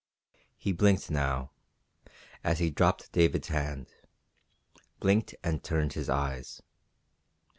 He blinked now, as he dropped David's hand blinked and turned his eyes.